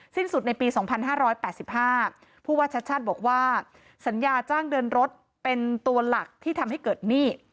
สิ้นสุดในปี๒๕๘๕ผู้ว่าชัดบอกว่าสัญญาจ้างเดินรถเป็นตัวหลักที่ทำให้เกิดหนี้